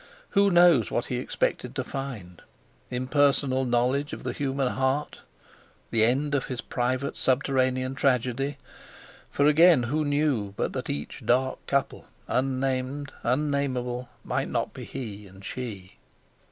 Who knows what he expected to find—impersonal knowledge of the human heart—the end of his private subterranean tragedy—for, again, who knew, but that each dark couple, unnamed, unnameable, might not be he and she?